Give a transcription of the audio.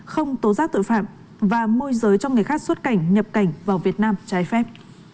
không tố giác tội phạm và môi giới cho người khác xuất cảnh nhập cảnh vào việt nam trái phép